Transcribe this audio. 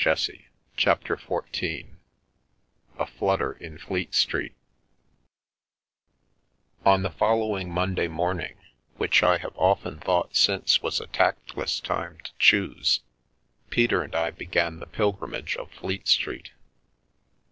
116 CHAPTER XIV A FLUTTER IN FLEET STREET ON the following Monday morning — which I have often thought since was a tactless time to choose — Peter and I began the pilgrimage of Fleet Street.